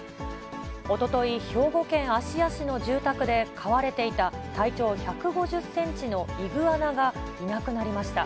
おととい、兵庫県芦屋市の住宅で飼われていた、体長１５０センチのイグアナがいなくなりました。